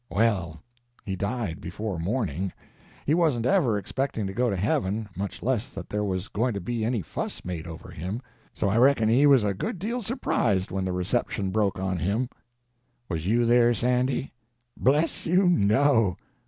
Well, he died before morning. He wasn't ever expecting to go to heaven, much less that there was going to be any fuss made over him, so I reckon he was a good deal surprised when the reception broke on him." "Was you there, Sandy?" "Bless you, no!"